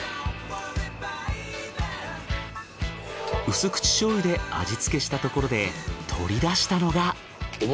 薄口醤油で味付けしたところで取り出したのが。